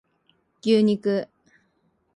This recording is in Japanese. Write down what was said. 牛肉